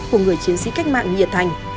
của người chiến sĩ cách mạng nghịa thành